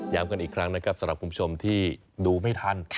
กันอีกครั้งนะครับสำหรับคุณผู้ชมที่ดูไม่ทัน